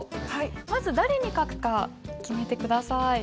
まず誰に書くか決めて下さい。